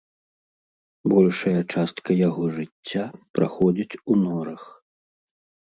Большая частка яго жыцця праходзіць у норах.